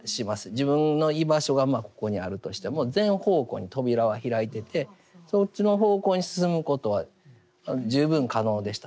自分の居場所がここにあるとしても全方向に扉は開いててそっちの方向に進むことは十分可能でした。